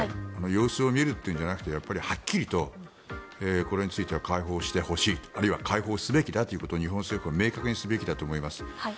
様子を見るっていうんじゃなくてはっきりとこれについては解放してほしいとあるいは解放すべきだということを日本政府は明確にすべきだと思います。